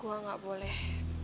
gue gak boleh